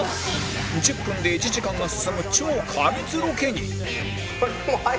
１０分で１時間が進む超過密ロケに！